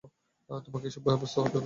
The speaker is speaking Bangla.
তোমাকে এসব অভ্যস্ত হতে হবে।